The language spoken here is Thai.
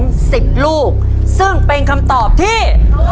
สิบลูกซึ่งเป็นคำตอบที่